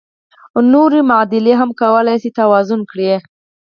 نورې معادلې هم کولای شئ توازن کړئ.